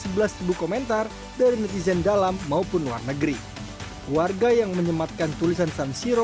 sebelas komentar dari netizen dalam maupun luar negeri warga yang menyematkan tulisan samsiro